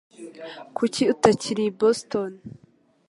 Kuki utakiri i Boston?